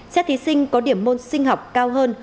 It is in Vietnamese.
xét thí sinh có điểm môn sinh học cao hơn